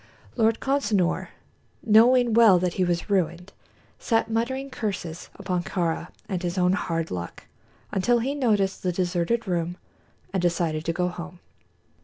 Lord Consinor, knowing well that he was ruined, sat muttering curses upon Kāra and his own "hard luck" until he noticed the deserted room and decided to go home.